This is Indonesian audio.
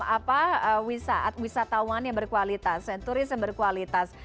apa wisatawan yang berkualitas senturis yang berkualitas